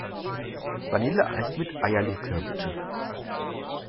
Vanilleeis mit Eierlikör, bitte.